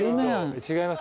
違いますよ。